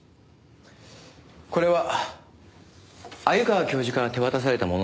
これは鮎川教授から手渡されたものなんですね？